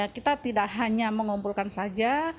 kita tidak hanya mengumpulkan saja